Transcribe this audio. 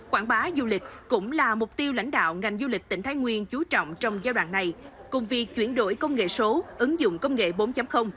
quảng bá du lịch cũng là mục tiêu lãnh đạo ngành du lịch tỉnh thái nguyên chú trọng trong giai đoạn này cùng việc chuyển đổi công nghệ số ứng dụng công nghệ bốn